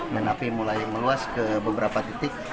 dan api mulai meluas ke beberapa titik